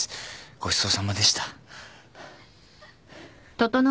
ごちそうさまでした。